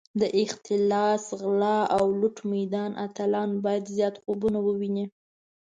د اختلاس، غلا او لوټ میدان اتلان باید زیات خوبونه وویني.